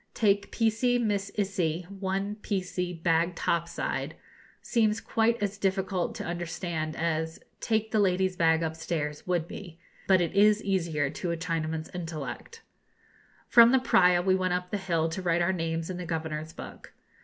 'Take piecey missisy one piecey bag topside,' seems quite as difficult to understand as 'Take the lady's bag upstairs' would be; but it is easier to a Chinaman's intellect. From the Praya we went up the hill to write our names in the Governor's book.